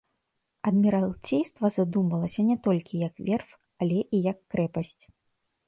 Адміралцейства задумвалася не толькі як верф, але і як крэпасць.